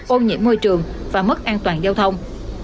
ô nhiễm môi trường và mất an toàn giao thông